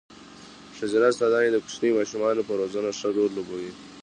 ښځينه استاداني د کوچنيو ماشومانو په روزنه ښه رول لوبوي.